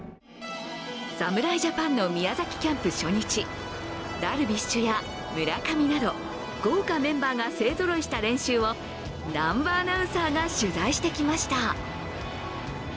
侍ジャパンの宮崎キャンプ初日、ダルビッシュや村上など豪華メンバーが勢ぞろいした練習を南波アナウンサーが取材してきました。